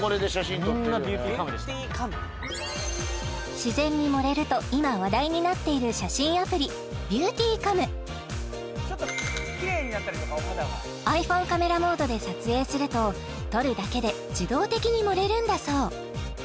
自然に盛れると今話題になっているｉＰｈｏｎｅカメラモードで撮影すると撮るだけで自動的に盛れるんだそう